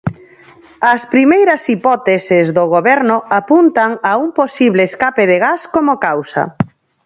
As primeiras hipóteses do Goberno apuntan a un posible escape de gas como causa.